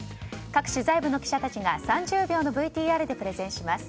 各取材部の記者たちが３０秒のＶＴＲでプレゼンします。